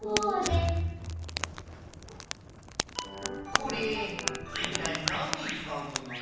これいったいなんにつかうもの？